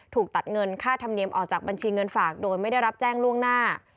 ถูกตัดเงินค่าธรรมเนียมออกจากบัญชีเงินฝากโดยไม่ได้รับแจ้งล่วงหน้า